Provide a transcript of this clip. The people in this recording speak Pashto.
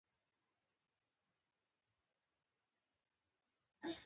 که کتاب نه وي چاپ شوی نو باید چاپ شي.